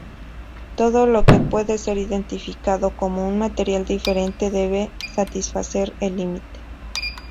Todo lo que pueda ser identificado como un material diferente debe satisfacer el límite.